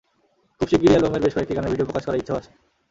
খুব শিগগিরই অ্যালবামের বেশ কয়েকটি গানের ভিডিও প্রকাশ করার ইচ্ছেও আছে।